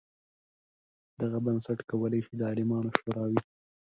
دغه بنسټ کولای شي د عالمانو شورا وي.